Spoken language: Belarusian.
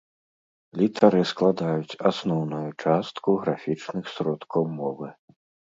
Літары складаюць асноўную частку графічных сродкаў мовы.